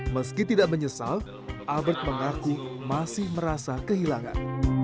meski tidak menyesal albert mengaku masih merasa kehilangan